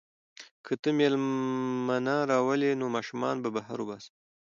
که ته مېلمانه راولې نو ماشومان به بهر وباسم.